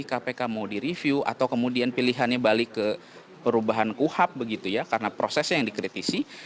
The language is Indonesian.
kpk mau direview atau kemudian pilihannya balik ke perubahan kuhap begitu ya karena prosesnya yang dikritisi